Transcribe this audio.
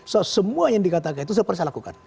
semua yang dikatakan itu saya lakukan